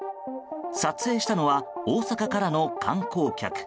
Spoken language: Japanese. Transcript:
撮影したのは大阪からの観光客。